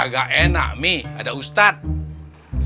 gak enak mi ada ustadz